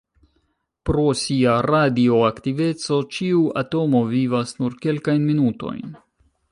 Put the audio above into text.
Pro sia radioaktiveco, ĉiu atomo vivas nur kelkajn minutojn.